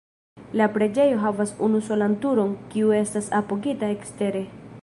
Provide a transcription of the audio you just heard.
La preĝejo havas unusolan turon, kiu estas apogita ekstere.